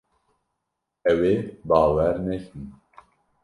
Ew ê bawer nekin.